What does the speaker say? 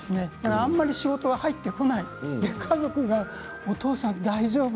あまり仕事が入ってこない家族がお父さん大丈夫？